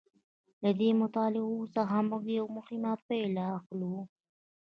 له دې مطالبو څخه موږ یوه مهمه پایله اخلو